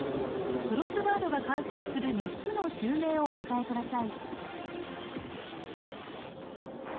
クロスワードが完成する３つの州名をお答えください